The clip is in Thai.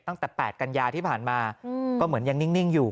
ตั้งแต่แปดกัญญาที่ผ่านมาอืมก็เหมือนยังนิ่งนิ่งอยู่